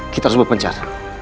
kita harus berpencar